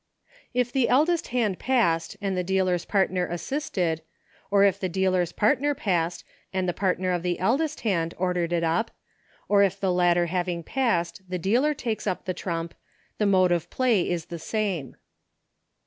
If the eldest hand passed and the dealer's partner assisted, or if the dealer's partner 40 EUCHBE. passed and the partner of the eldest hand ordered it up, or if the latter having passed, the dealer takes up the trump, the mode of play is the same.